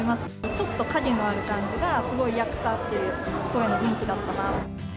ちょっと陰のある感じが、すごい役と合っている声の雰囲気だったな。